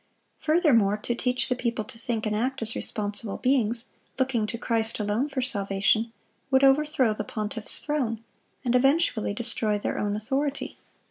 Furthermore, to teach the people to think and act as responsible beings, looking to Christ alone for salvation, would overthrow the pontiff's throne, and eventually destroy their own authority.